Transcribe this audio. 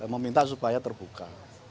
meminta supaya terbuka